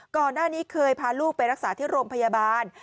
ก่อนหน้านี้เคยพาลูกไปรักษาที่โรงพยาบาล